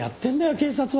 警察は。